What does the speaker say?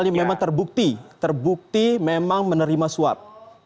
kalau dia terbukti terbukti memang menerima swab